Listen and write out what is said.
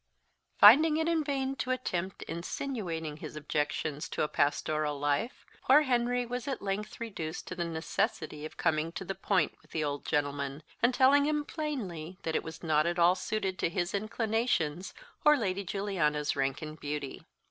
Finding it in vain to attempt insinuating his objections to a pastoral life, poor Henry was at length reduced to the necessity of coming to the point with the old gentleman, and telling him plainly that it was not at all suited to his inclinations, or Lady Juliana's rank and beauty.